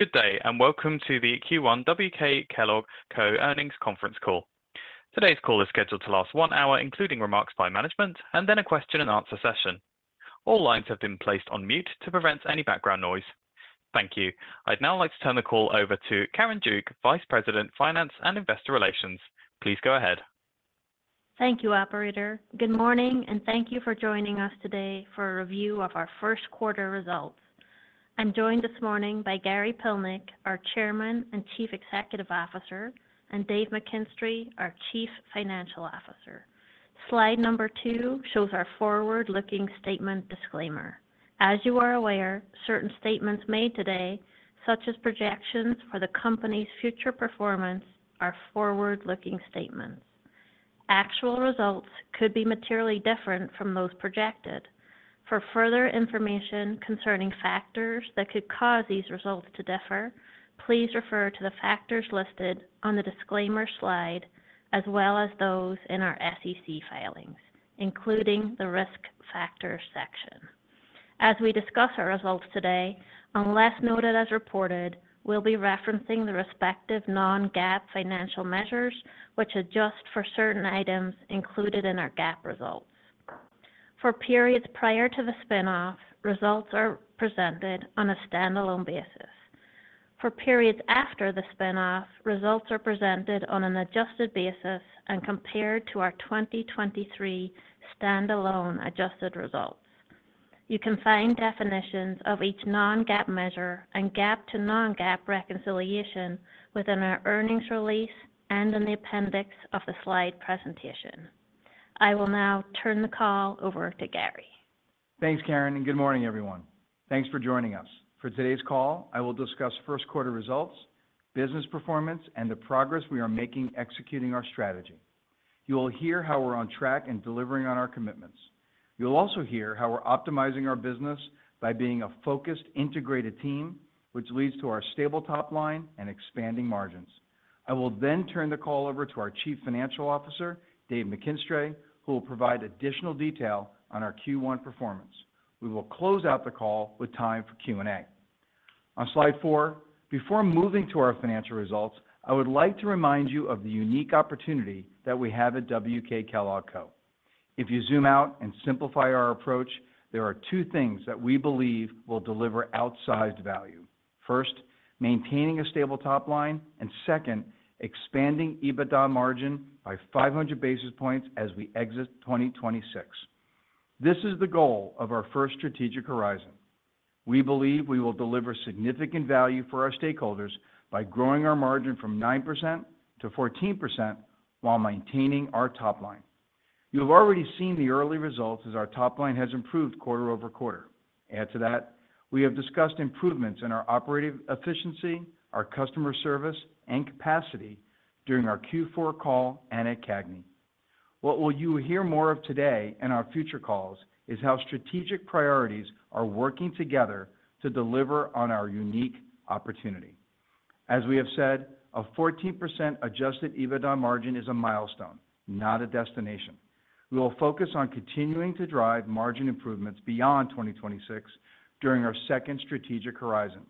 Good day, and welcome to the Q1 WK Kellogg Co Earnings Conference Call. Today's call is scheduled to last one hour, including remarks by management and then a question-and-answer session. All lines have been placed on mute to prevent any background noise. Thank you. I'd now like to turn the call over to Karen Duke, Vice President, Finance and Investor Relations. Please go ahead. Thank you, operator. Good morning, and thank you for joining us today for a review of our first quarter results. I'm joined this morning by Gary Pilnick, our Chairman and Chief Executive Officer, and Dave McKinstry, our Chief Financial Officer. Slide number 2 shows our forward-looking statement disclaimer. As you are aware, certain statements made today, such as projections for the company's future performance, are forward-looking statements. Actual results could be materially different from those projected. For further information concerning factors that could cause these results to differ, please refer to the factors listed on the disclaimer slide, as well as those in our SEC filings, including the Risk Factors section. As we discuss our results today, unless noted as reported, we'll be referencing the respective non-GAAP financial measures, which adjust for certain items included in our GAAP results. For periods prior to the spin-off, results are presented on a standalone basis. For periods after the spin-off, results are presented on an adjusted basis and compared to our 2023 standalone adjusted results. You can find definitions of each non-GAAP measure and GAAP to non-GAAP reconciliation within our earnings release and in the appendix of the slide presentation. I will now turn the call over to Gary. Thanks, Karen, and good morning, everyone. Thanks for joining us. For today's call, I will discuss first quarter results, business performance, and the progress we are making executing our strategy. You will hear how we're on track and delivering on our commitments. You'll also hear how we're optimizing our business by being a focused, integrated team, which leads to our stable top line and expanding margins. I will then turn the call over to our Chief Financial Officer, Dave McKinstry, who will provide additional detail on our Q1 performance. We will close out the call with time for Q&A. On slide four, before moving to our financial results, I would like to remind you of the unique opportunity that we have at WK Kellogg Co. If you zoom out and simplify our approach, there are two things that we believe will deliver outsized value. First, maintaining a stable top line, and second, expanding EBITDA margin by 500 basis points as we exit 2026. This is the goal of our first strategic horizon. We believe we will deliver significant value for our stakeholders by growing our margin from 9% to 14% while maintaining our top line. You have already seen the early results as our top line has improved quarter-over-quarter. Add to that, we have discussed improvements in our operating efficiency, our customer service, and capacity during our Q4 call and at CAGNY. What will you hear more of today and our future calls is how strategic priorities are working together to deliver on our unique opportunity. As we have said, a 14% adjusted EBITDA margin is a milestone, not a destination. We will focus on continuing to drive margin improvements beyond 2026 during our second strategic horizon.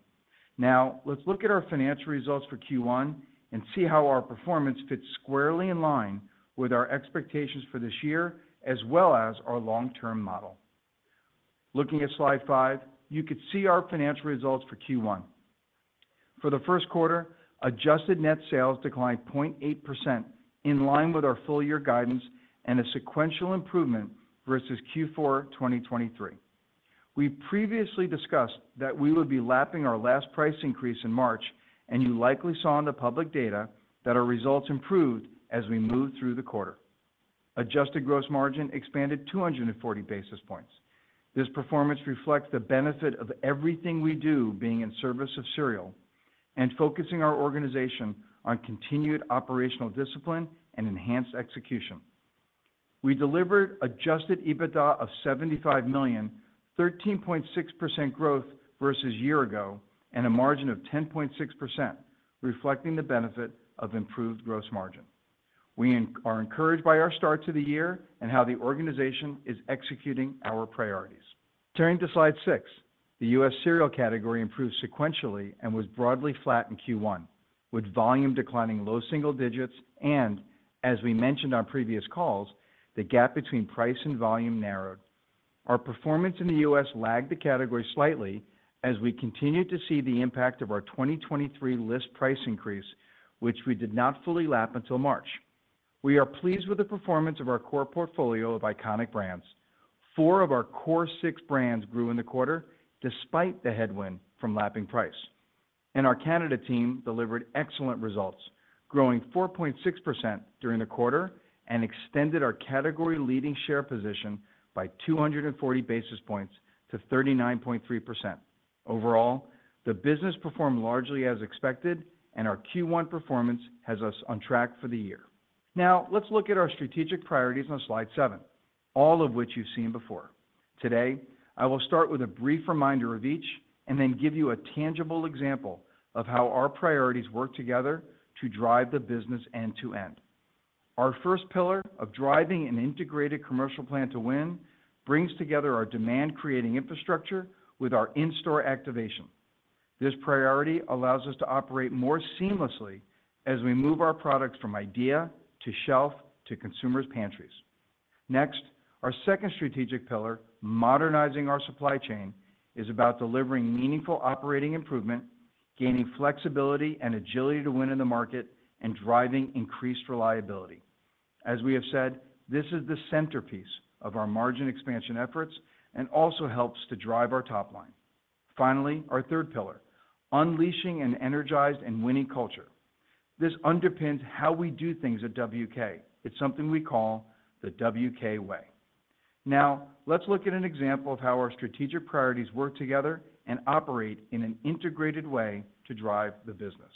Now, let's look at our financial results for Q1 and see how our performance fits squarely in line with our expectations for this year, as well as our long-term model. Looking at slide 5, you could see our financial results for Q1. For the first quarter, adjusted net sales declined 0.8%, in line with our full year guidance and a sequential improvement versus Q4 2023. We previously discussed that we would be lapping our last price increase in March, and you likely saw in the public data that our results improved as we moved through the quarter. Adjusted gross margin expanded 240 basis points. This performance reflects the benefit of everything we do being in service of cereal and focusing our organization on continued operational discipline and enhanced execution. We delivered adjusted EBITDA of $75 million, 13.6% growth versus year ago, and a margin of 10.6%, reflecting the benefit of improved gross margin. We are encouraged by our start to the year and how the organization is executing our priorities. Turning to slide 6, the U.S. cereal category improved sequentially and was broadly flat in Q1, with volume declining low single digits, and as we mentioned on previous calls, the gap between price and volume narrowed. Our performance in the U.S. lagged the category slightly as we continued to see the impact of our 2023 list price increase, which we did not fully lap until March. We are pleased with the performance of our core portfolio of iconic brands. Four of our core six brands grew in the quarter, despite the headwind from lapping price. Our Canada team delivered excellent results, growing 4.6% during the quarter and extended our category-leading share position by 240 basis points to 39.3%. Overall, the business performed largely as expected, and our Q1 performance has us on track for the year. Now, let's look at our strategic priorities on slide 7, all of which you've seen before. Today, I will start with a brief reminder of each, and then give you a tangible example of how our priorities work together to drive the business end to end... Our first pillar of driving an integrated commercial plan to win, brings together our demand-creating infrastructure with our in-store activation. This priority allows us to operate more seamlessly as we move our products from idea, to shelf, to consumers' pantries. Next, our second strategic pillar, modernizing our supply chain, is about delivering meaningful operating improvement, gaining flexibility and agility to win in the market, and driving increased reliability. As we have said, this is the centerpiece of our margin expansion efforts and also helps to drive our top line. Finally, our third pillar, unleashing an energized and winning culture. This underpins how we do things at WK. It's something we call the WK Way. Now, let's look at an example of how our strategic priorities work together and operate in an integrated way to drive the business.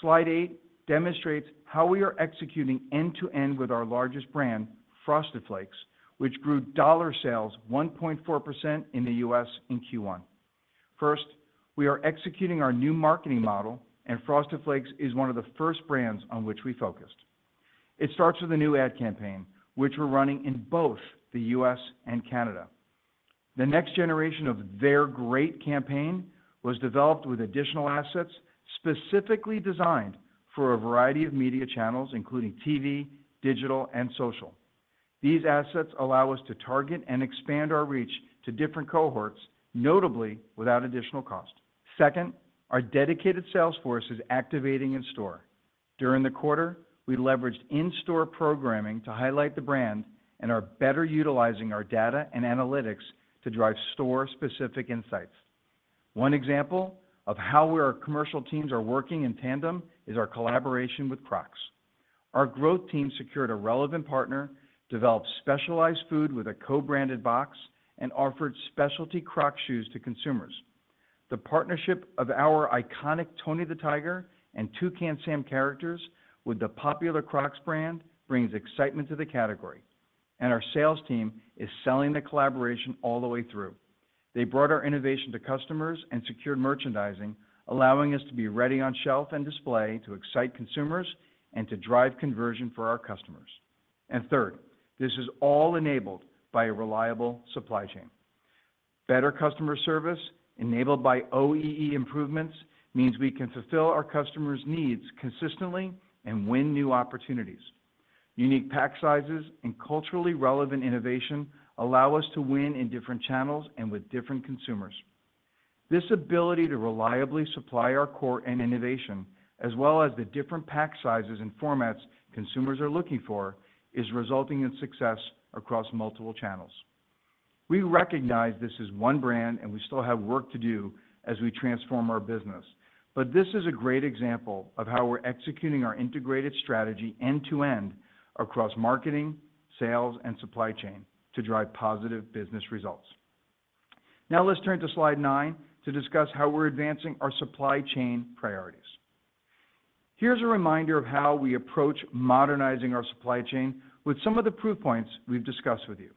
Slide 8 demonstrates how we are executing end-to-end with our largest brand, Frosted Flakes, which grew dollar sales 1.4% in the U.S. in Q1. First, we are executing our new marketing model, and Frosted Flakes is one of the first brands on which we focused. It starts with a new ad campaign, which we're running in both the U.S. and Canada. The next generation of their great campaign was developed with additional assets, specifically designed for a variety of media channels, including TV, digital, and social. These assets allow us to target and expand our reach to different cohorts, notably without additional cost. Second, our dedicated sales force is activating in-store. During the quarter, we leveraged in-store programming to highlight the brand and are better utilizing our data and analytics to drive store-specific insights. One example of how our commercial teams are working in tandem is our collaboration with Crocs. Our growth team secured a relevant partner, developed specialized food with a co-branded box, and offered specialty Crocs shoes to consumers. The partnership of our iconic Tony the Tiger and Toucan Sam characters with the popular Crocs brand brings excitement to the category, and our sales team is selling the collaboration all the way through. They brought our innovation to customers and secured merchandising, allowing us to be ready on shelf and display to excite consumers and to drive conversion for our customers. And third, this is all enabled by a reliable supply chain. Better customer service, enabled by OEE improvements, means we can fulfill our customers' needs consistently and win new opportunities. Unique pack sizes and culturally relevant innovation allow us to win in different channels and with different consumers. This ability to reliably supply our core and innovation, as well as the different pack sizes and formats consumers are looking for, is resulting in success across multiple channels. We recognize this is one brand, and we still have work to do as we transform our business. But this is a great example of how we're executing our integrated strategy end-to-end across marketing, sales, and supply chain to drive positive business results. Now let's turn to Slide nine to discuss how we're advancing our supply chain priorities. Here's a reminder of how we approach modernizing our supply chain with some of the proof points we've discussed with you.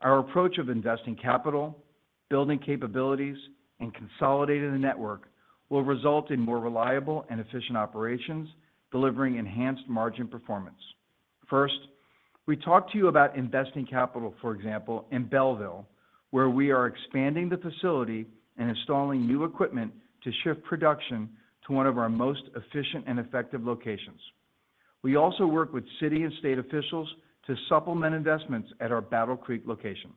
Our approach of investing capital, building capabilities, and consolidating the network will result in more reliable and efficient operations, delivering enhanced margin performance. First, we talked to you about investing capital, for example, in Belleville, where we are expanding the facility and installing new equipment to shift production to one of our most efficient and effective locations. We also work with city and state officials to supplement investments at our Battle Creek location.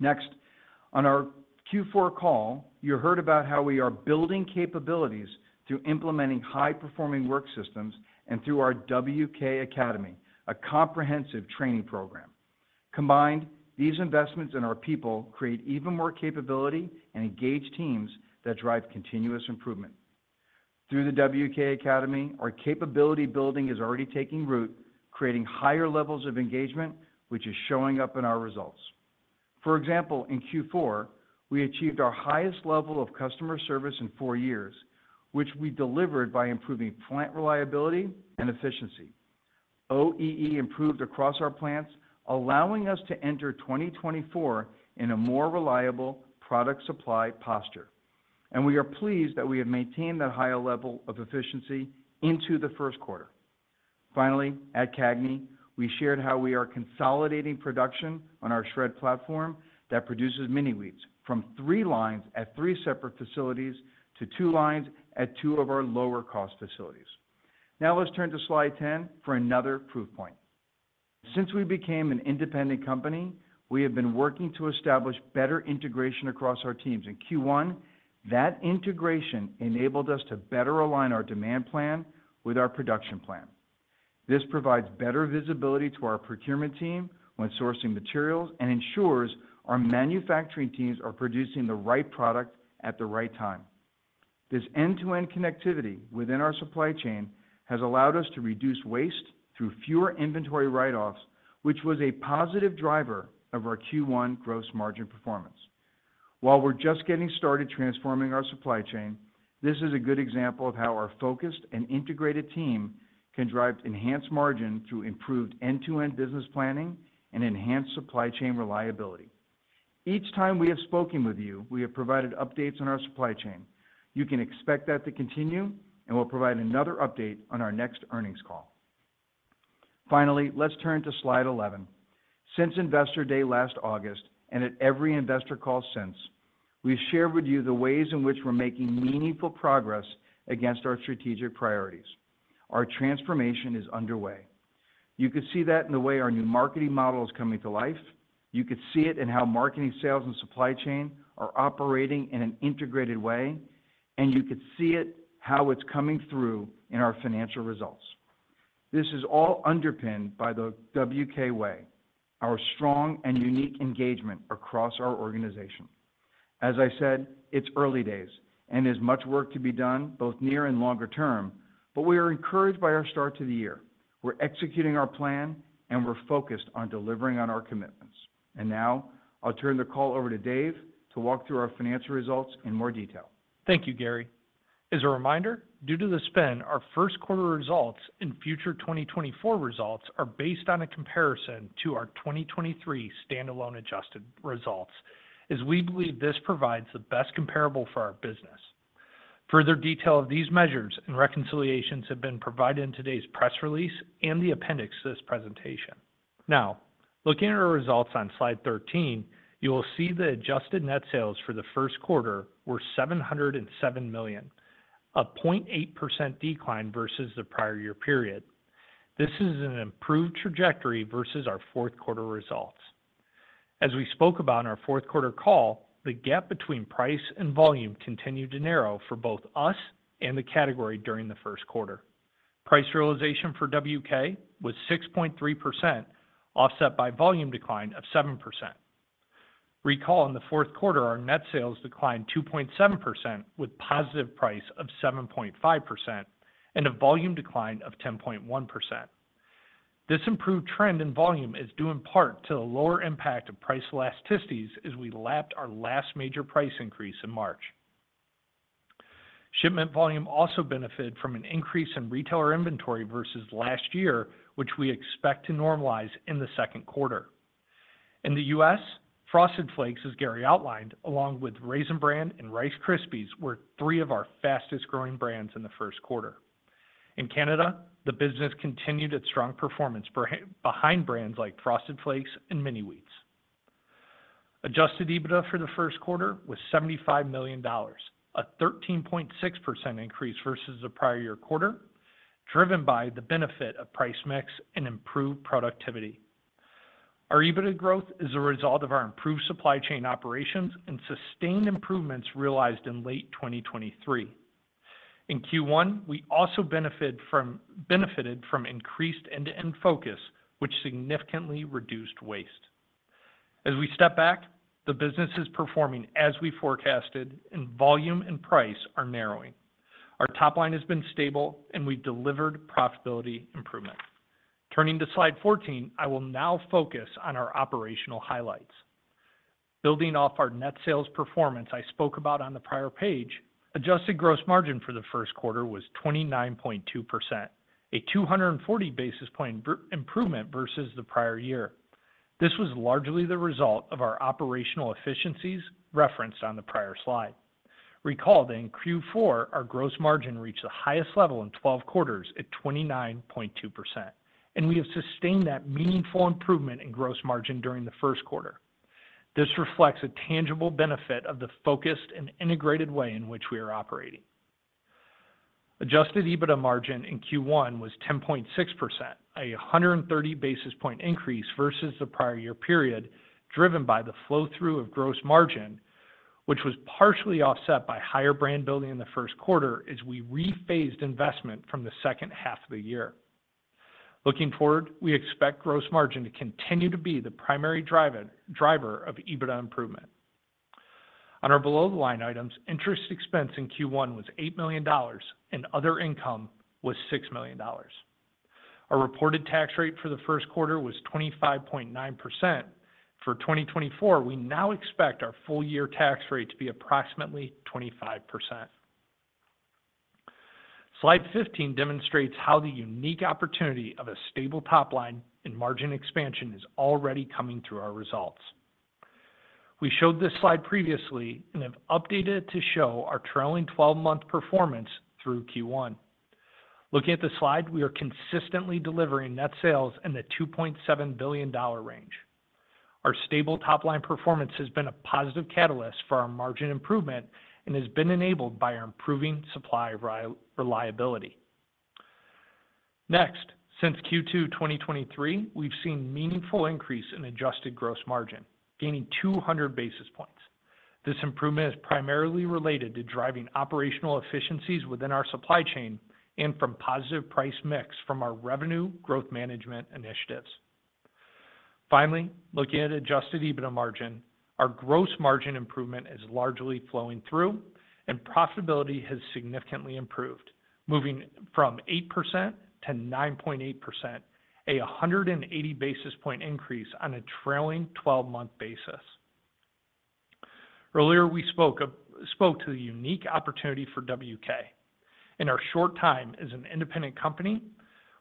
Next, on our Q4 call, you heard about how we are building capabilities through implementing high-performing work systems and through our WK Academy, a comprehensive training program. Combined, these investments in our people create even more capability and engage teams that drive continuous improvement. Through the WK Academy, our capability building is already taking root, creating higher levels of engagement, which is showing up in our results. For example, in Q4, we achieved our highest level of customer service in four years, which we delivered by improving plant reliability and efficiency. OEE improved across our plants, allowing us to enter 2024 in a more reliable product supply posture, and we are pleased that we have maintained that higher level of efficiency into the first quarter. Finally, at CAGNY, we shared how we are consolidating production on our shred platform that produces Mini-Wheats from three lines at three separate facilities to two lines at two of our lower-cost facilities. Now, let's turn to Slide 10 for another proof point. Since we became an independent company, we have been working to establish better integration across our teams. In Q1, that integration enabled us to better align our demand plan with our production plan. This provides better visibility to our procurement team when sourcing materials and ensures our manufacturing teams are producing the right product at the right time. This end-to-end connectivity within our supply chain has allowed us to reduce waste through fewer inventory write-offs, which was a positive driver of our Q1 gross margin performance. While we're just getting started transforming our supply chain, this is a good example of how our focused and integrated team can drive enhanced margin through improved end-to-end business planning and enhanced supply chain reliability. Each time we have spoken with you, we have provided updates on our supply chain. You can expect that to continue, and we'll provide another update on our next earnings call. Finally, let's turn to slide 11. Since Investor Day last August, and at every investor call since, we've shared with you the ways in which we're making meaningful progress against our strategic priorities. Our transformation is underway. You could see that in the way our new marketing model is coming to life. You could see it in how marketing, sales, and supply chain are operating in an integrated way, and you could see it, how it's coming through in our financial results. This is all underpinned by the WK Way, our strong and unique engagement across our organization. As I said, it's early days, and there's much work to be done, both near and longer term, but we are encouraged by our start to the year. We're executing our plan, and we're focused on delivering on our commitments. And now, I'll turn the call over to Dave to walk through our financial results in more detail. Thank you, Gary. As a reminder, due to the spin, our first quarter results and future 2024 results are based on a comparison to our 2023 standalone adjusted results, as we believe this provides the best comparable for our business. Further detail of these measures and reconciliations have been provided in today's press release and the appendix to this presentation. Now, looking at our results on Slide 13, you will see the adjusted net sales for the first quarter were $707 million, a 0.8% decline versus the prior year period. This is an improved trajectory versus our fourth quarter results. As we spoke about on our fourth quarter call, the gap between price and volume continued to narrow for both us and the category during the first quarter. Price realization for WK was 6.3%, offset by volume decline of 7%. Recall, in the fourth quarter, our net sales declined 2.7% with positive price of 7.5% and a volume decline of 10.1%. This improved trend in volume is due in part to the lower impact of price elasticities as we lapped our last major price increase in March. Shipment volume also benefited from an increase in retailer inventory versus last year, which we expect to normalize in the second quarter. In the U.S., Frosted Flakes, as Gary outlined, along with Raisin Bran and Rice Krispies, were three of our fastest-growing brands in the first quarter. In Canada, the business continued its strong performance behind brands like Frosted Flakes and Mini-Wheats. Adjusted EBITDA for the first quarter was $75 million, a 13.6% increase versus the prior year quarter, driven by the benefit of price mix and improved productivity. Our EBITDA growth is a result of our improved supply chain operations and sustained improvements realized in late 2023. In Q1, we also benefited from increased end-to-end focus, which significantly reduced waste. As we step back, the business is performing as we forecasted, and volume and price are narrowing. Our top line has been stable, and we've delivered profitability improvement. Turning to Slide 14, I will now focus on our operational highlights. Building off our net sales performance I spoke about on the prior page, adjusted gross margin for the first quarter was 29.2%, a 240 basis point improvement versus the prior year. This was largely the result of our operational efficiencies referenced on the prior slide. Recall that in Q4, our gross margin reached the highest level in 12 quarters at 29.2%, and we have sustained that meaningful improvement in gross margin during the first quarter. This reflects a tangible benefit of the focused and integrated way in which we are operating. Adjusted EBITDA margin in Q1 was 10.6%, a 130 basis point increase versus the prior year period, driven by the flow-through of gross margin, which was partially offset by higher brand building in the first quarter as we rephased investment from the second half of the year. Looking forward, we expect gross margin to continue to be the primary driver of EBITDA improvement. On our below-the-line items, interest expense in Q1 was $8 million, and other income was $6 million. Our reported tax rate for the first quarter was 25.9%. For 2024, we now expect our full-year tax rate to be approximately 25%. Slide 15 demonstrates how the unique opportunity of a stable top line and margin expansion is already coming through our results. We showed this slide previously and have updated it to show our trailing twelve-month performance through Q1. Looking at the slide, we are consistently delivering net sales in the $2.7 billion range. Our stable top-line performance has been a positive catalyst for our margin improvement and has been enabled by our improving supply reliability. Next, since Q2 2023, we've seen meaningful increase in adjusted gross margin, gaining 200 basis points. This improvement is primarily related to driving operational efficiencies within our supply chain and from positive price mix from our revenue growth management initiatives. Finally, looking at Adjusted EBITDA margin, our gross margin improvement is largely flowing through, and profitability has significantly improved, moving from 8% to 9.8%, a 180 basis point increase on a trailing twelve-month basis. Earlier, we spoke to the unique opportunity for WK. In our short time as an independent company,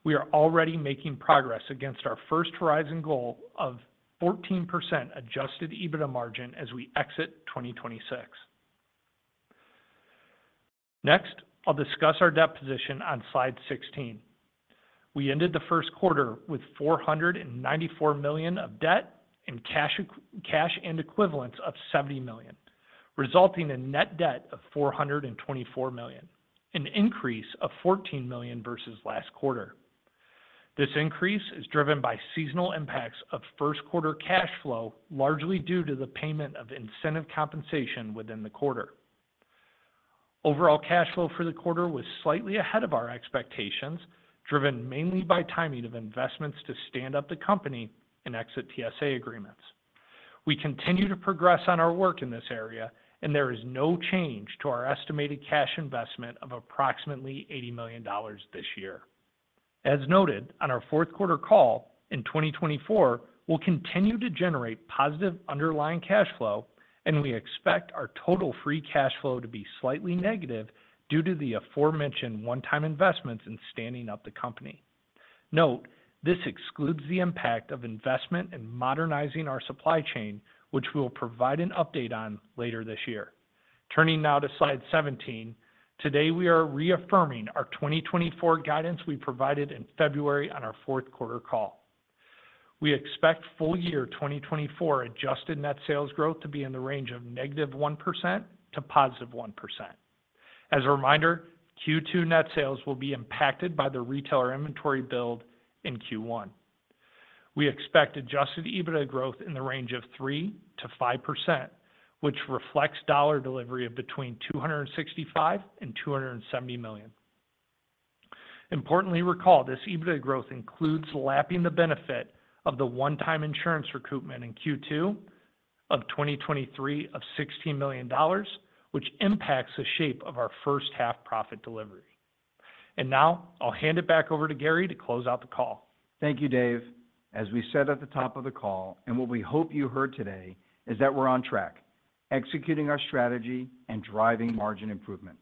we are already making progress against our first horizon goal of 14% Adjusted EBITDA margin as we exit 2026. Next, I'll discuss our debt position on slide 16. We ended the first quarter with $494 million of debt and cash and equivalents of $70 million, resulting in net debt of $424 million, an increase of $14 million versus last quarter. This increase is driven by seasonal impacts of first quarter cash flow, largely due to the payment of incentive compensation within the quarter. Overall cash flow for the quarter was slightly ahead of our expectations, driven mainly by timing of investments to stand up the company and exit TSA agreements. We continue to progress on our work in this area, and there is no change to our estimated cash investment of approximately $80 million this year. As noted on our fourth quarter call, in 2024, we'll continue to generate positive underlying cash flow, and we expect our total free cash flow to be slightly negative due to the aforementioned one-time investments in standing up the company. Note, this excludes the impact of investment in modernizing our supply chain, which we will provide an update on later this year. Turning now to slide 17. Today, we are reaffirming our 2024 guidance we provided in February on our fourth quarter call. We expect full year 2024 adjusted net sales growth to be in the range of -1% to +1%. As a reminder, Q2 net sales will be impacted by the retailer inventory build in Q1. We expect Adjusted EBITDA growth in the range of 3%-5%, which reflects dollar delivery of between $265 million and $270 million. Importantly, recall, this EBITDA growth includes lapping the benefit of the one-time insurance recoupment in Q2 of 2023 of $16 million, which impacts the shape of our first half profit delivery. Now I'll hand it back over to Gary to close out the call. Thank you, Dave. As we said at the top of the call, and what we hope you heard today, is that we're on track, executing our strategy and driving margin improvement.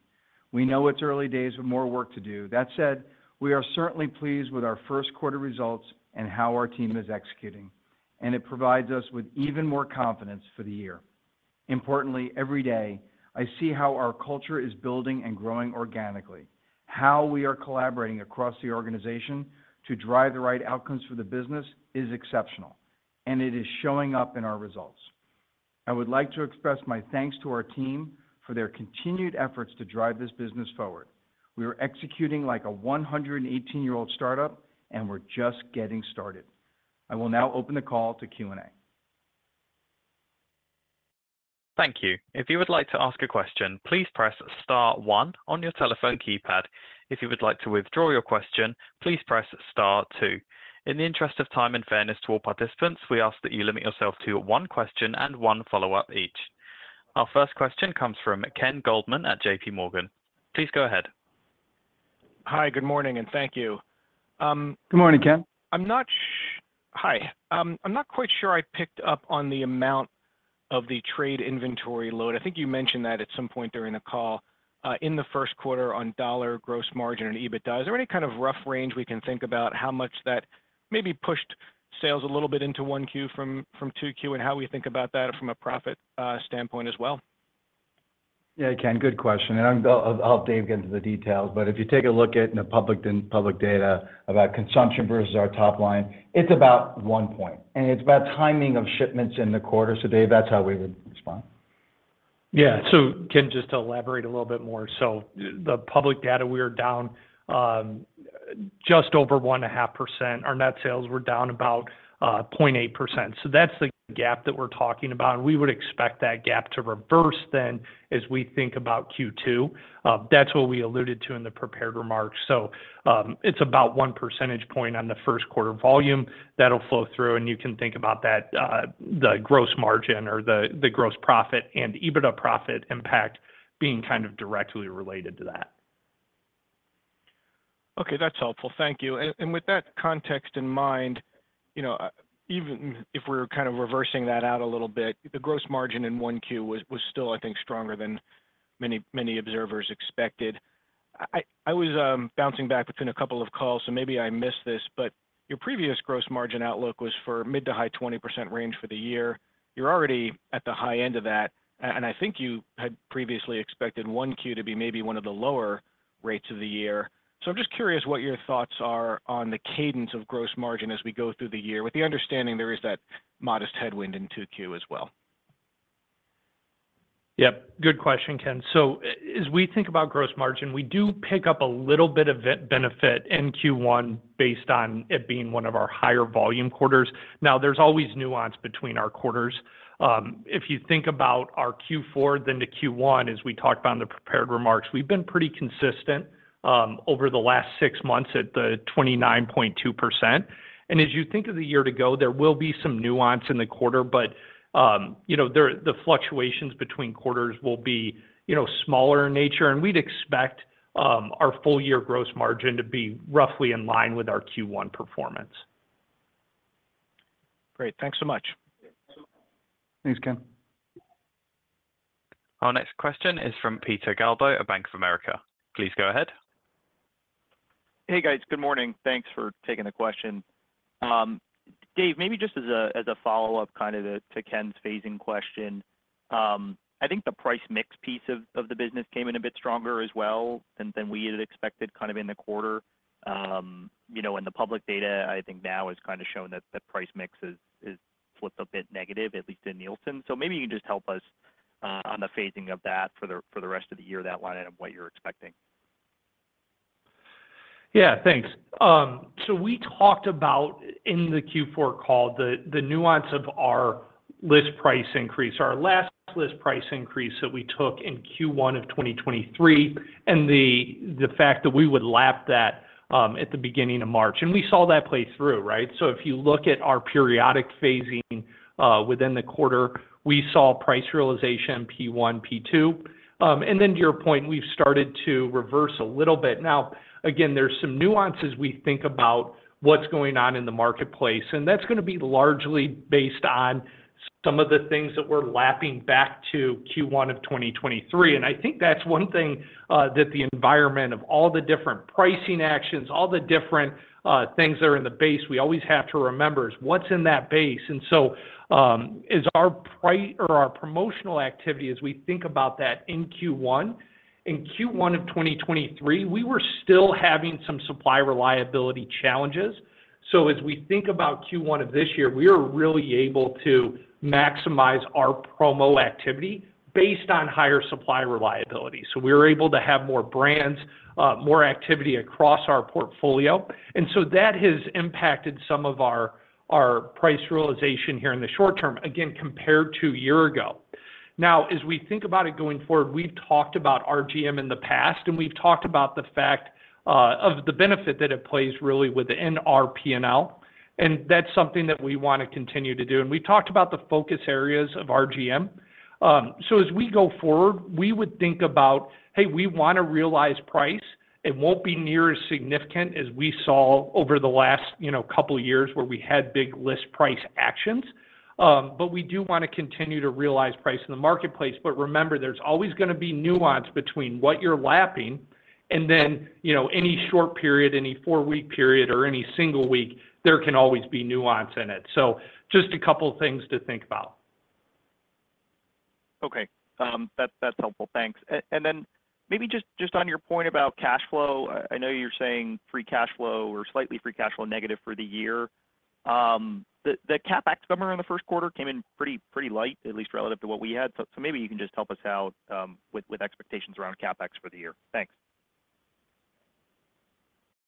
We know it's early days with more work to do. That said, we are certainly pleased with our first quarter results and how our team is executing, and it provides us with even more confidence for the year. Importantly, every day, I see how our culture is building and growing organically. How we are collaborating across the organization to drive the right outcomes for the business is exceptional, and it is showing up in our results. I would like to express my thanks to our team for their continued efforts to drive this business forward. We are executing like a 118-year-old startup, and we're just getting started. I will now open the call to Q&A. Thank you. If you would like to ask a question, please press star one on your telephone keypad. If you would like to withdraw your question, please press star two. In the interest of time and fairness to all participants, we ask that you limit yourself to one question and one follow-up each. Our first question comes from Ken Goldman at J.P. Morgan. Please go ahead. Hi, good morning, and thank you. Good morning, Ken. Hi. I'm not quite sure I picked up on the amount of the trade inventory load. I think you mentioned that at some point during the call, in the first quarter on dollar gross margin and EBITDA. Is there any kind of rough range we can think about how much that maybe pushed sales a little bit into 1Q from 2Q, and how we think about that from a profit standpoint as well? Yeah, Ken, good question, and I'll have Dave get into the details, but if you take a look at the public data about consumption versus our top line, it's about one point, and it's about timing of shipments in the quarter. So, Dave, that's how we would respond. Yeah. So Ken, just to elaborate a little bit more. So the public data, we are down just over 1.5%. Our net sales were down about point eight percent. So that's the gap that we're talking about, and we would expect that gap to reverse then as we think about Q2. That's what we alluded to in the prepared remarks. So, it's about one percentage point on the first quarter volume that'll flow through, and you can think about that, the gross margin or the, the gross profit and EBITDA profit impact being kind of directly related to that. Okay. That's helpful. Thank you. And with that context in mind, you know, even if we're kind of reversing that out a little bit, the gross margin in 1Q was still, I think, stronger than many, many observers expected. I was bouncing back within a couple of calls, so maybe I missed this, but your previous gross margin outlook was for mid- to high-20% range for the year. You're already at the high end of that, and I think you had previously expected 1Q to be maybe one of the lower rates of the year. So I'm just curious what your thoughts are on the cadence of gross margin as we go through the year, with the understanding there is that modest headwind in 2Q as well. Yep, good question, Ken. So as we think about gross margin, we do pick up a little bit of benefit in Q1 based on it being one of our higher volume quarters. Now, there's always nuance between our quarters. If you think about our Q4, then the Q1, as we talked about in the prepared remarks, we've been pretty consistent over the last six months at the 29.2%. And as you think of the year to go, there will be some nuance in the quarter, but you know, there, the fluctuations between quarters will be you know, smaller in nature, and we'd expect our full year gross margin to be roughly in line with our Q1 performance. Great. Thanks so much. Thanks, Ken. Our next question is from Peter Galbo at Bank of America. Please go ahead. Hey, guys. Good morning. Thanks for taking the question. Dave, maybe just as a follow-up kind of to Ken's phasing question. I think the price mix piece of the business came in a bit stronger as well than we had expected, kind of in the quarter. You know, and the public data, I think now has kinda shown that the price mix is flipped a bit negative, at least in Nielsen. So maybe you can just help us on the phasing of that for the rest of the year, that line item, what you're expecting. Yeah, thanks. So we talked about in the Q4 call, the nuance of our list price increase, our last list price increase that we took in Q1 of 2023, and the fact that we would lap that, at the beginning of March. And we saw that play through, right? So if you look at our periodic phasing, within the quarter, we saw price realization P1, P2. And then to your point, we've started to reverse a little bit. Now, again, there's some nuances we think about what's going on in the marketplace, and that's gonna be largely based on some of the things that we're lapping back to Q1 of 2023. I think that's one thing that the environment of all the different pricing actions, all the different things that are in the base, we always have to remember, is what's in that base? So is our promotional activity as we think about that in Q1? In Q1 of 2023, we were still having some supply reliability challenges. So as we think about Q1 of this year, we are really able to maximize our promo activity based on higher supply reliability. So we're able to have more brands, more activity across our portfolio, and so that has impacted some of our price realization here in the short term, again, compared to a year ago. Now, as we think about it going forward, we've talked about RGM in the past, and we've talked about the fact of the benefit that it plays really within our P&L, and that's something that we wanna continue to do. And we talked about the focus areas of RGM. So as we go forward, we would think about, "Hey, we wanna realize price." It won't be near as significant as we saw over the last, you know, couple of years, where we had big list price actions. But we do wanna continue to realize price in the marketplace. But remember, there's always gonna be nuance between what you're lapping and then, you know, any short period, any four-week period or any single week, there can always be nuance in it. So just a couple of things to think about. Okay. That's, that's helpful. Thanks. And then maybe just, just on your point about cash flow, I know you're saying free cash flow or slightly free cash flow negative for the year. The, the CapEx number in the first quarter came in pretty, pretty light, at least relative to what we had. So, so maybe you can just help us out, with, with expectations around CapEx for the year. Thanks.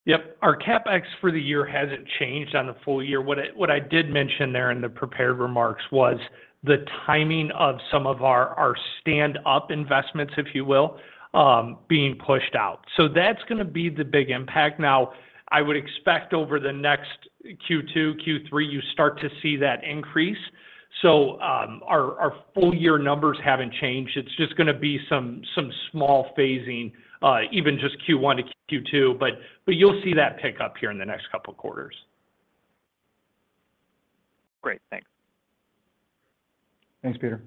Yep. Our CapEx for the year hasn't changed on the full year. What I did mention there in the prepared remarks was the timing of some of our stand-up investments, if you will, being pushed out. So that's gonna be the big impact. Now, I would expect over the next Q2, Q3, you start to see that increase. So, our full year numbers haven't changed. It's just gonna be some small phasing, even just Q1 to Q2, but you'll see that pick up here in the next couple of quarters. Great. Thanks. Thanks, Peter.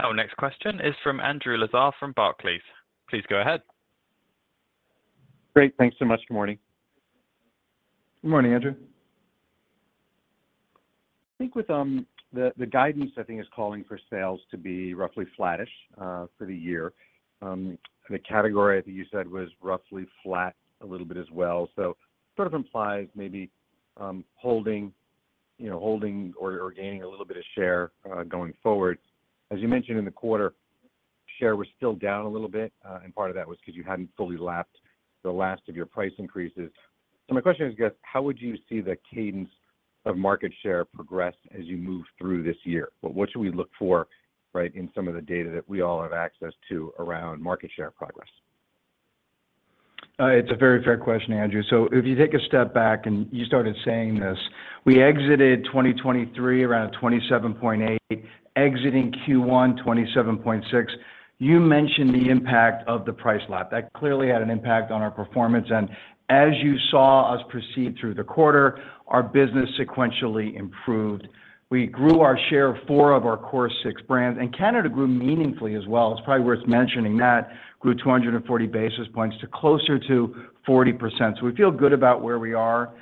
Our next question is from Andrew Lazar from Barclays. Please go ahead. Great. Thanks so much. Good morning. Good morning, Andrew. I think with the guidance, I think is calling for sales to be roughly flattish for the year. And the category, I think you said, was roughly flat a little bit as well. So sort of implies maybe holding, you know, holding or gaining a little bit of share going forward. As you mentioned in the quarter, share was still down a little bit, and part of that was because you hadn't fully lapped the last of your price increases. So my question is how would you see the cadence of market share progress as you move through this year? What should we look for, right, in some of the data that we all have access to around market share progress? It's a very fair question, Andrew. So if you take a step back and you started saying this, we exited 2023 around 27.8, exiting Q1, 27.6. You mentioned the impact of the price lag. That clearly had an impact on our performance, and as you saw us proceed through the quarter, our business sequentially improved. We grew our share of four of our core six brands, and Canada grew meaningfully as well. It's probably worth mentioning that, grew 240 basis points to closer to 40%. So we feel good about where we are.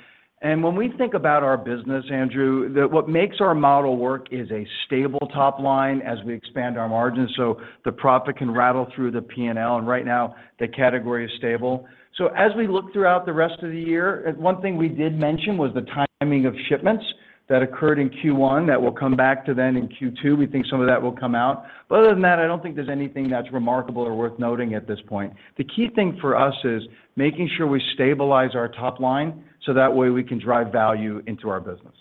And when we think about our business, Andrew, what makes our model work is a stable top line as we expand our margins, so the profit can rattle through the P&L, and right now, the category is stable. So as we look throughout the rest of the year, one thing we did mention was the timing of shipments that occurred in Q1. That will come back to then in Q2. We think some of that will come out. But other than that, I don't think there's anything that's remarkable or worth noting at this point. The key thing for us is making sure we stabilize our top line, so that way, we can drive value into our business.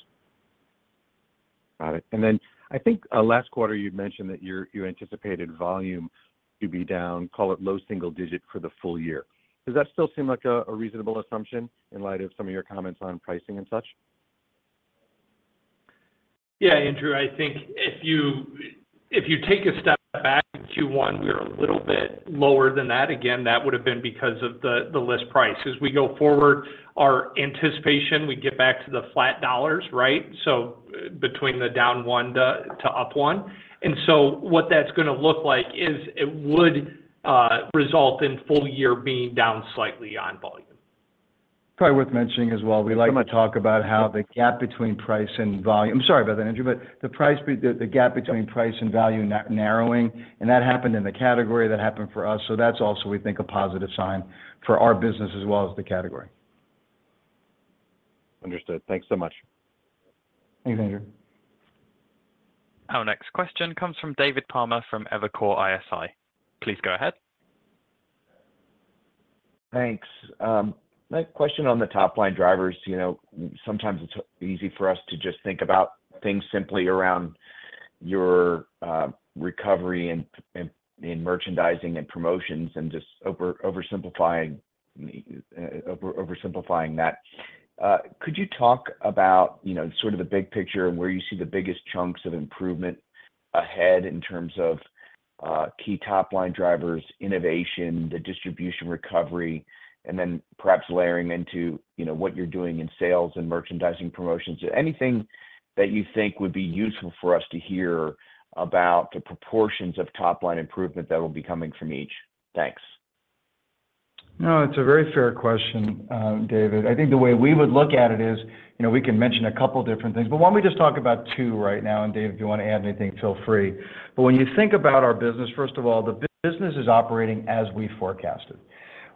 Got it. And then I think, last quarter, you'd mentioned that you anticipated volume to be down, call it low single digit for the full year. Does that still seem like a reasonable assumption in light of some of your comments on pricing and such?... Yeah, Andrew, I think if you take a step back to Q1, we are a little bit lower than that. Again, that would have been because of the list price. As we go forward, our anticipation, we get back to the flat dollars, right? So between the down 1 to up 1. And so what that's gonna look like is it would result in full year being down slightly on volume. Probably worth mentioning as well, we like to talk about how the gap between price and volume. I'm sorry about that, Andrew, but the gap between price and value narrowing, and that happened in the category, that happened for us. So that's also, we think, a positive sign for our business as well as the category. Understood. Thanks so much. Thanks, Andrew. Our next question comes from David Palmer from Evercore ISI. Please go ahead. Thanks. My question on the top line drivers, you know, sometimes it's easy for us to just think about things simply around your recovery in merchandising and promotions and just oversimplifying that. Could you talk about, you know, sort of the big picture and where you see the biggest chunks of improvement ahead in terms of key top line drivers, innovation, the distribution recovery, and then perhaps layering into, you know, what you're doing in sales and merchandising promotions. So anything that you think would be useful for us to hear about the proportions of top line improvement that will be coming from each? Thanks. No, it's a very fair question, David. I think the way we would look at it is, you know, we can mention a couple of different things, but why don't we just talk about two right now, and David, if you want to add anything, feel free. But when you think about our business, first of all, the business is operating as we forecasted.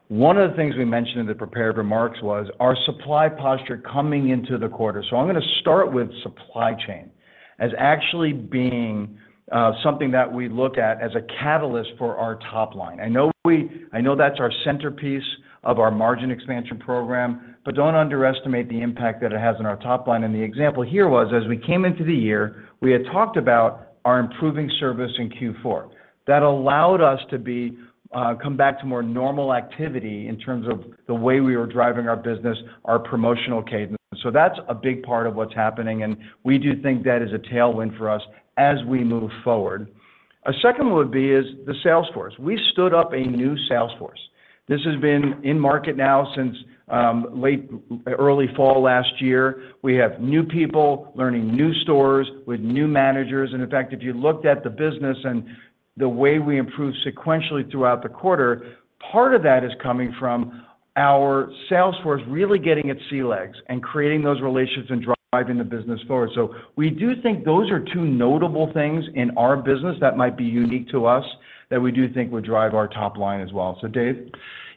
One of the things we mentioned in the prepared remarks was our supply posture coming into the quarter. So I'm gonna start with supply chain as actually being something that we look at as a catalyst for our top line. I know that's our centerpiece of our margin expansion program, but don't underestimate the impact that it has on our top line. The example here was, as we came into the year, we had talked about our improving service in Q4. That allowed us to come back to more normal activity in terms of the way we were driving our business, our promotional cadence. So that's a big part of what's happening, and we do think that is a tailwind for us as we move forward. A second would be is the sales force. We stood up a new sales force. This has been in market now since early fall last year. We have new people, learning new stores with new managers. And in fact, if you looked at the business and the way we improved sequentially throughout the quarter, part of that is coming from our sales force really getting its sea legs and creating those relations and driving the business forward. So we do think those are two notable things in our business that might be unique to us, that we do think would drive our top line as well. So, Dave?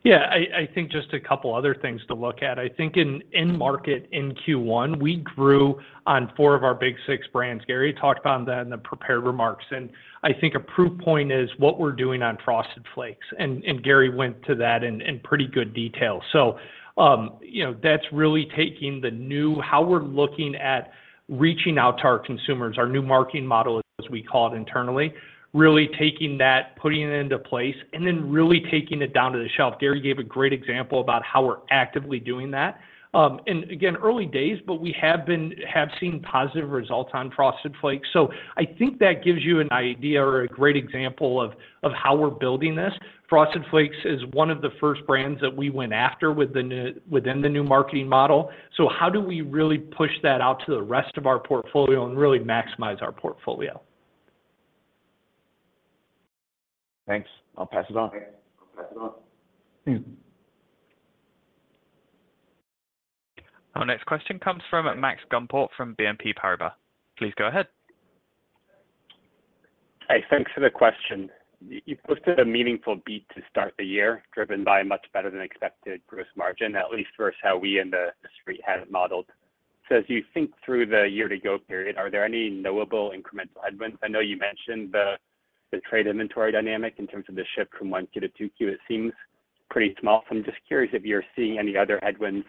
Yeah, I think just a couple other things to look at. I think in-market, in Q1, we grew on four of our big six brands. Gary talked about that in the prepared remarks, and I think a proof point is what we're doing on Frosted Flakes, and Gary went to that in pretty good detail. So, you know, that's really taking the new... how we're looking at reaching out to our consumers, our new marketing model, as we call it internally, really taking that, putting it into place, and then really taking it down to the shelf. Gary gave a great example about how we're actively doing that. And again, early days, but we have seen positive results on Frosted Flakes. So I think that gives you an idea or a great example of how we're building this. Frosted Flakes is one of the first brands that we went after within the new marketing model. So how do we really push that out to the rest of our portfolio and really maximize our portfolio? Thanks. I'll pass it on. I'll pass it on. Mm-hmm. Our next question comes from Max Gumport from BNP Paribas. Please go ahead. Hey, thanks for the question. You posted a meaningful beat to start the year, driven by much better than expected gross margin, at least for us, how we on the Street had it modeled. So as you think through the year to go period, are there any knowable incremental headwinds? I know you mentioned the trade inventory dynamic in terms of the shift from 1Q to 2Q, it seems pretty small. So I'm just curious if you're seeing any other headwinds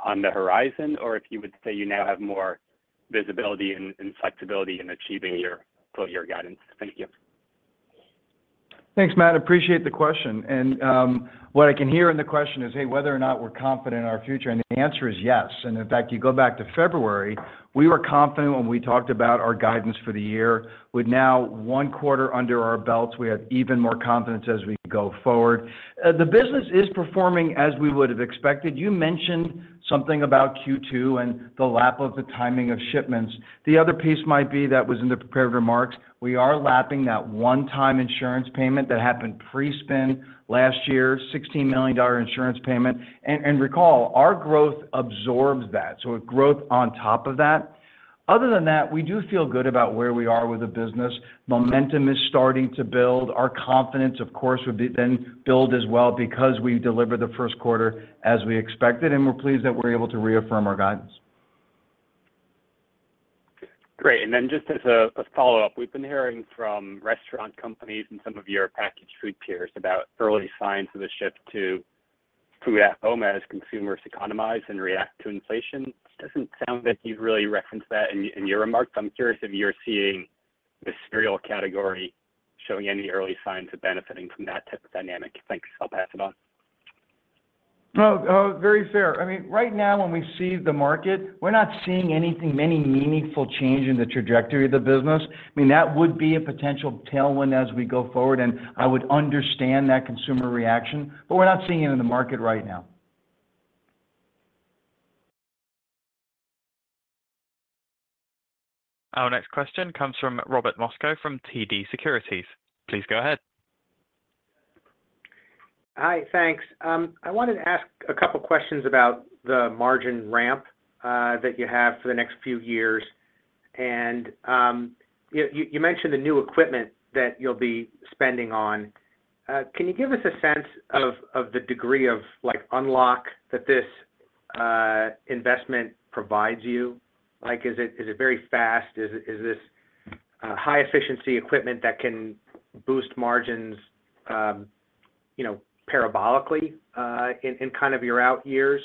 on the horizon, or if you would say you now have more visibility and flexibility in achieving your full year guidance. Thank you. Thanks, Matt. Appreciate the question. And, what I can hear in the question is, hey, whether or not we're confident in our future, and the answer is yes. And in fact, you go back to February, we were confident when we talked about our guidance for the year. With now one quarter under our belts, we have even more confidence as we go forward. The business is performing as we would have expected. You mentioned something about Q2 and the lap of the timing of shipments. The other piece might be that was in the prepared remarks, we are lapping that one-time insurance payment that happened pre-spin last year, $16 million insurance payment. And recall, our growth absorbs that, so growth on top of that. Other than that, we do feel good about where we are with the business. Momentum is starting to build. Our confidence, of course, would then be built as well because we've delivered the first quarter as we expected, and we're pleased that we're able to reaffirm our guidance. Great. And then just as a follow-up, we've been hearing from restaurant companies and some of your packaged food peers about early signs of a shift to food at home as consumers economize and react to inflation. It doesn't sound like you've really referenced that in your remarks. I'm curious if you're seeing the cereal category showing any early signs of benefiting from that type of dynamic. Thanks. I'll pass it on. ... Oh, very fair. I mean, right now, when we see the market, we're not seeing any meaningful change in the trajectory of the business. I mean, that would be a potential tailwind as we go forward, and I would understand that consumer reaction, but we're not seeing it in the market right now. Our next question comes from Robert Moskow from TD Securities. Please go ahead. Hi, thanks. I wanted to ask a couple questions about the margin ramp that you have for the next few years. You mentioned the new equipment that you'll be spending on. Can you give us a sense of the degree of, like, unlock that this investment provides you? Like, is it very fast? Is this high-efficiency equipment that can boost margins, you know, parabolically in kind of your out years?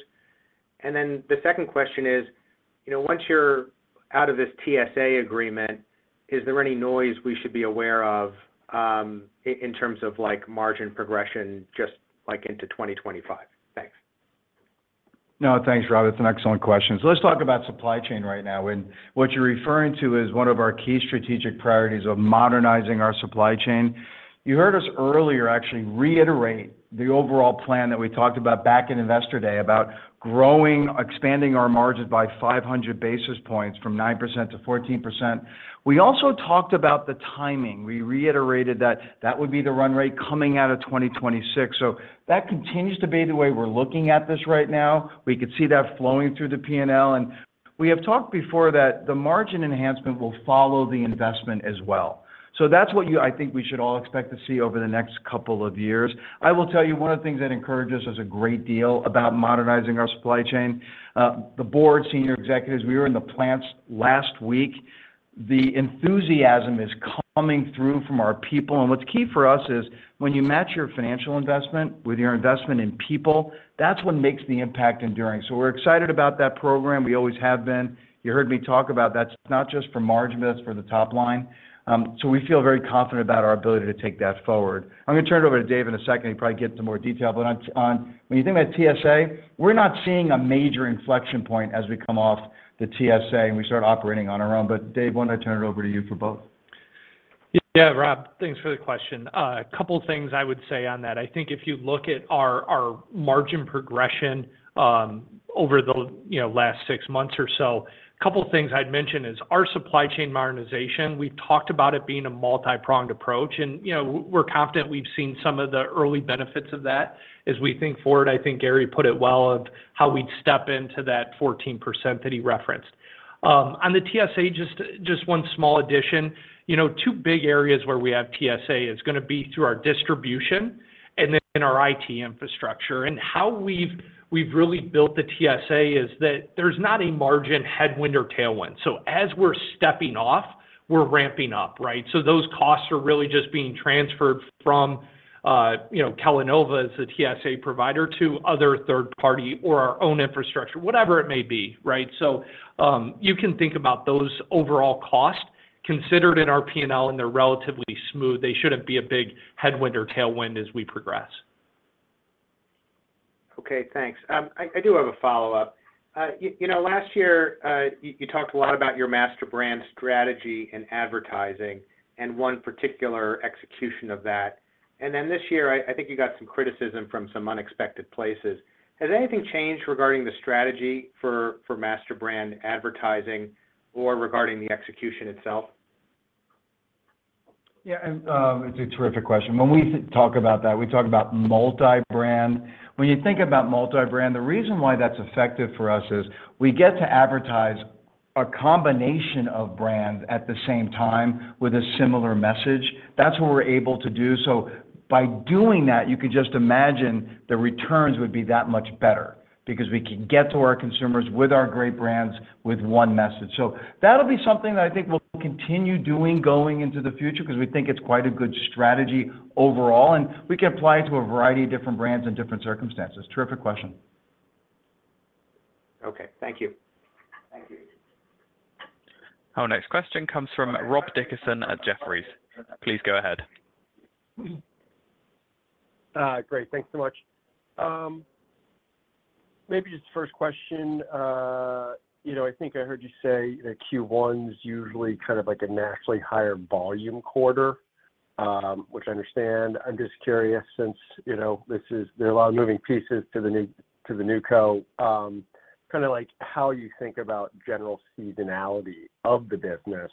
Then the second question is, you know, once you're out of this TSA agreement, is there any noise we should be aware of in terms of, like, margin progression, just, like, into 2025? Thanks. No, thanks, Rob. It's an excellent question. So let's talk about supply chain right now, and what you're referring to is one of our key strategic priorities of modernizing our supply chain. You heard us earlier actually reiterate the overall plan that we talked about back in Investor Day, about growing, expanding our margins by 500 basis points from 9% to 14%. We also talked about the timing. We reiterated that that would be the run rate coming out of 2026. So that continues to be the way we're looking at this right now. We could see that flowing through the P&L, and we have talked before that the margin enhancement will follow the investment as well. So that's what you, I think we should all expect to see over the next couple of years. I will tell you, one of the things that encourages us a great deal about modernizing our supply chain, the board, senior executives, we were in the plants last week. The enthusiasm is coming through from our people, and what's key for us is, when you match your financial investment with your investment in people, that's what makes the impact enduring. So we're excited about that program. We always have been. You heard me talk about that's not just for margin, that's for the top line. So we feel very confident about our ability to take that forward. I'm gonna turn it over to Dave in a second. He'll probably get into more detail, but when you think about TSA, we're not seeing a major inflection point as we come off the TSA, and we start operating on our own. Dave, why don't I turn it over to you for both? Yeah, Rob, thanks for the question. A couple things I would say on that. I think if you look at our, our margin progression, over the, you know, last six months or so, couple things I'd mention is our supply chain modernization, we've talked about it being a multi-pronged approach. And, you know, we're confident we've seen some of the early benefits of that. As we think forward, I think Gary put it well of how we'd step into that 14% that he referenced. On the TSA, just one small addition. You know, two big areas where we have TSA is gonna be through our distribution and then in our IT infrastructure. And how we've, we've really built the TSA is that there's not a margin headwind or tailwind. So as we're stepping off, we're ramping up, right? Those costs are really just being transferred from, you know, Kellanova as a TSA provider to other third party or our own infrastructure, whatever it may be, right? You can think about those overall costs considered in our P&L, and they're relatively smooth. They shouldn't be a big headwind or tailwind as we progress. Okay, thanks. I do have a follow-up. You know, last year, you talked a lot about your master brand strategy and advertising and one particular execution of that. And then this year, I think you got some criticism from some unexpected places. Has anything changed regarding the strategy for master brand advertising or regarding the execution itself? Yeah, and, it's a terrific question. When we talk about that, we talk about multi-brand. When you think about multi-brand, the reason why that's effective for us is we get to advertise a combination of brands at the same time with a similar message. That's what we're able to do. So by doing that, you could just imagine the returns would be that much better because we can get to our consumers with our great brands with one message. So that'll be something that I think we'll continue doing going into the future because we think it's quite a good strategy overall, and we can apply it to a variety of different brands and different circumstances. Terrific question. Okay, thank you. Thank you. Our next question comes from Rob Dickerson at Jefferies. Please go ahead. Great. Thanks so much. Maybe just the first question, you know, I think I heard you say that Q1's usually kind of like a naturally higher volume quarter, which I understand. I'm just curious, since, you know, this is-- there are a lot of moving pieces to the new, to the NewCo, kind of like how you think about general seasonality of the business,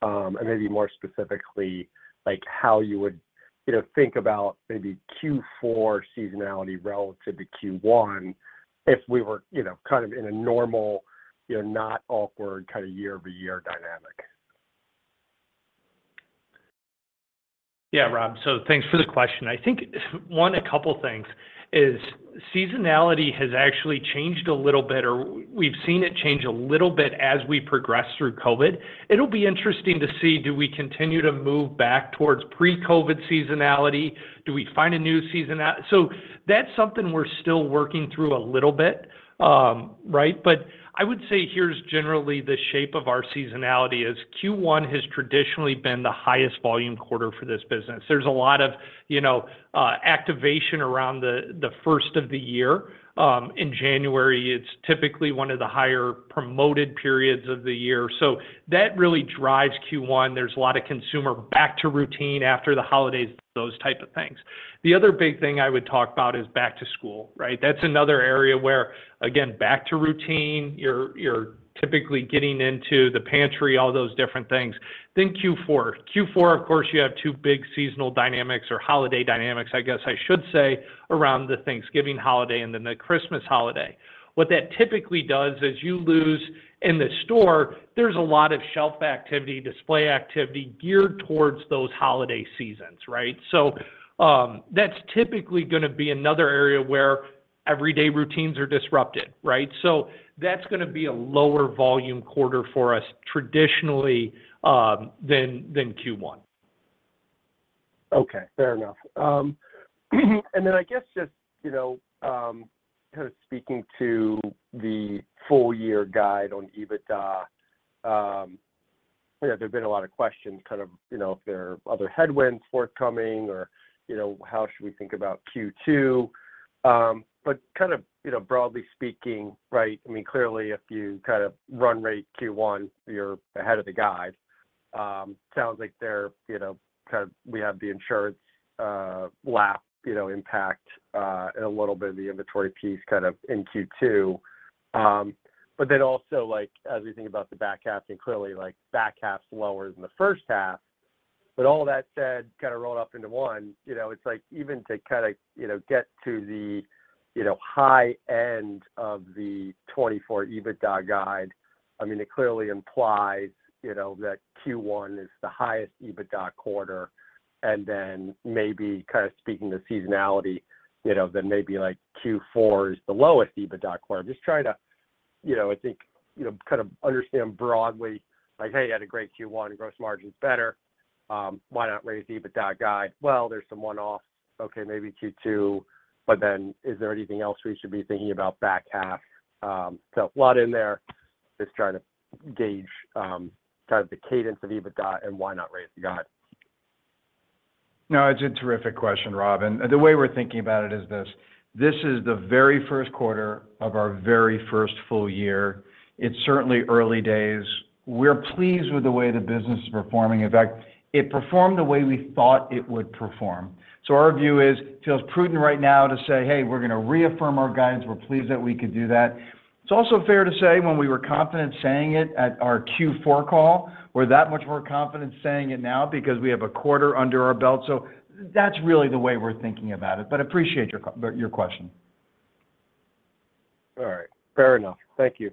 and maybe more specifically, like, how you would, you know, think about maybe Q4 seasonality relative to Q1 if we were, you know, kind of in a normal, you know, not awkward kind of year-over-year dynamic? Yeah, Rob, so thanks for the question. I think, one, a couple things is seasonality has actually changed a little bit, or we've seen it change a little bit as we progress through COVID. It'll be interesting to see, do we continue to move back towards pre-COVID seasonality? Do we find a new seasonality? So that's something we're still working through a little bit, right? But I would say here's generally the shape of our seasonality, is Q1 has traditionally been the highest volume quarter for this business. There's a lot of, you know, activation around the, the first of the year. In January, it's typically one of the higher promoted periods of the year. So that really drives Q1. There's a lot of consumer back to routine after the holidays, those type of things. The other big thing I would talk about is back to school, right? That's another area where, again, back to routine, you're typically getting into the pantry, all those different things. Then Q4. Q4, of course, you have two big seasonal dynamics or holiday dynamics, I guess I should say, around the Thanksgiving holiday and then the Christmas holiday. What that typically does is you lose, in the store, there's a lot of shelf activity, display activity geared towards those holiday seasons, right? So, that's typically gonna be another area where everyday routines are disrupted, right? So that's gonna be a lower volume quarter for us, traditionally, than Q1. Okay, fair enough. And then I guess just, you know, kind of speaking to the full year guide on EBITDA, you know, there have been a lot of questions kind of, you know, if there are other headwinds forthcoming or, you know, how should we think about Q2? But kind of, you know, broadly speaking, right, I mean, clearly, if you kind of run rate Q1, you're ahead of the guide. Sounds like they're, you know, kind of we have the insurance, lap, you know, impact, and a little bit of the inventory piece kind of in Q2. But then also, like, as we think about the back half, and clearly, like, back half's lower than the first half. But all that said, kind of rolled up into one, you know, it's like even to kind of, you know, get to the, you know, high end of the 2024 EBITDA guide, I mean, it clearly implies, you know, that Q1 is the highest EBITDA quarter, and then maybe kind of speaking to seasonality, you know, then maybe, like, Q4 is the lowest EBITDA quarter. I'm just trying to, you know, I think, you know, kind of understand broadly, like, hey, you had a great Q1, gross margin's better. Why not raise the EBITDA guide? Well, there's some one-off. Okay, maybe Q2, but then is there anything else we should be thinking about back half? So a lot in there. Just trying to gauge, kind of the cadence of EBITDA and why not raise the guide. No, it's a terrific question, Rob, and the way we're thinking about it is this: This is the very first quarter of our very first full year. It's certainly early days. We're pleased with the way the business is performing. In fact, it performed the way we thought it would perform. So our view is, it feels prudent right now to say, "Hey, we're gonna reaffirm our guidance. We're pleased that we could do that." It's also fair to say when we were confident saying it at our Q4 call, we're that much more confident saying it now because we have a quarter under our belt. So that's really the way we're thinking about it, but appreciate your question. All right. Fair enough. Thank you.